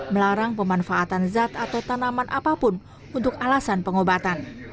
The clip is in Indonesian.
melarang pemanfaatan zat atau tanaman apapun untuk alasan pengobatan